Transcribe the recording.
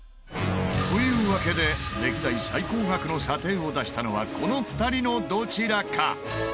というわけで歴代最高額の査定を出したのはこの２人のどちらか。